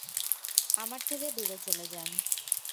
আমার থেকে দুরে চলে যান!